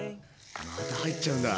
また入っちゃうんだ。